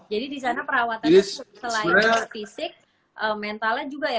jadi di sana perawatan selain fisik mentalnya juga ya